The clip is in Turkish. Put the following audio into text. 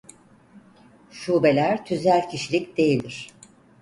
Şubeler tüzel kişilik değildir.